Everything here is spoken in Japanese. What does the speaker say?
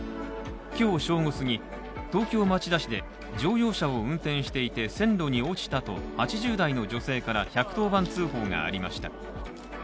今日正午過ぎ、東京・町田市で、乗用車を運転していて線路に落ちたと８０代の女性から１１０番通報がありました。